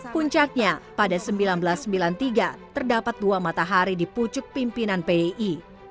puncaknya pada seribu sembilan ratus sembilan puluh tiga terdapat dua matahari di pucuk pimpinan pii